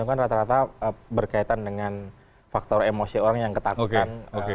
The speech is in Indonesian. kan rata rata berkaitan dengan faktor emosi orang yang ketakutan